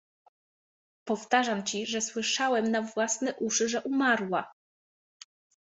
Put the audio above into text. Powtarzam ci, że słyszałem na własne uszy, że umarła!